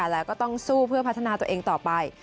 แล้วก็ต้องสู้เพื่อพัฒนาตัวเองต่อไป